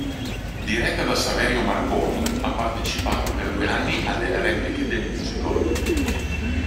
Diretta da Saverio Marconi ha partecipato per due anni alle repliche del musical.